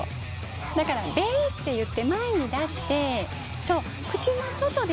だからべって言って前に出して。